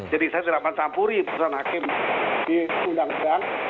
jadi saya tidak akan campuri putusan hakim di undang undang